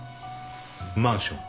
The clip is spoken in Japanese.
マンション。